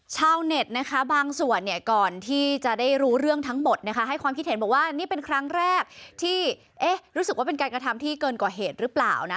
ชาวเน็ตนะคะบางส่วนเนี่ยก่อนที่จะได้รู้เรื่องทั้งหมดนะคะให้ความคิดเห็นบอกว่านี่เป็นครั้งแรกที่เอ๊ะรู้สึกว่าเป็นการกระทำที่เกินกว่าเหตุหรือเปล่านะ